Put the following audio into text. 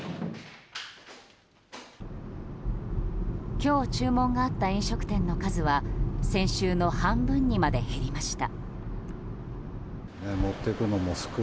今日注文があった飲食店の数は先週の半分にまで減りました。